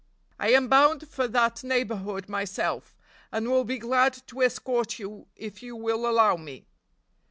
I am bound for that neighborhood myself, and will be glad to escort you if you will allow me."